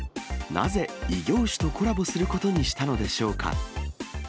なぜ、異業種とコラボすることにしたのでしょうか。